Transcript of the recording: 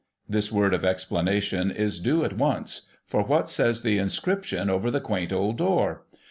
This word of explanation is due at once, for what says the inscription over the quaint old door